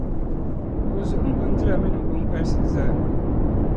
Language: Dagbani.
o zu m bindira mini m binkparisi zaa.